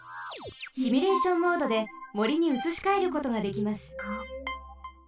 シミュレーションモードでもりにうつしかえることができます。